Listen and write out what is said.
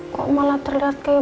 kok malah terlihat kayak